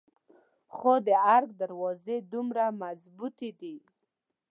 خو د ارګ دروازې دومره مظبوتې دي.